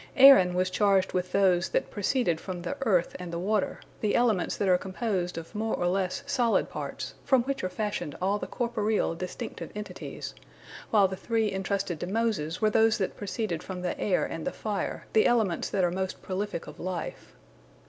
Aaron was charged with those, that proceeded from the earth and the water, the elements that are composed of more or less solid parts, from which are fashioned all the corporeal, distinctive entities, while the three entrusted to Moses were those that proceeded from the air and the fire, the elements that are most prolific of life.